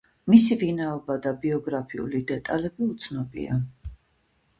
მისი ვინაობა და ბიოგრაფიული დეტალები უცნობია.